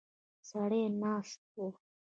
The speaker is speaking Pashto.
سړی ناست و.